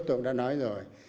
tôi cũng đã nói rồi